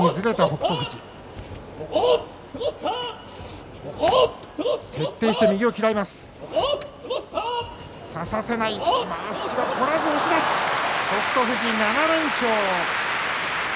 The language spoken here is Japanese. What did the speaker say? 北勝富士、７連勝。